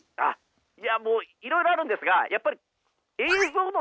いやもういろいろあるんですがやっぱりあそうね。